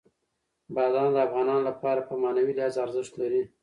بادام د افغانانو لپاره په معنوي لحاظ ارزښت لري.